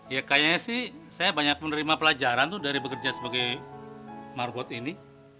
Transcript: ya kayaknya sih saya banyak menerima pelajaran tuh dari bekerja sebagai marbot ini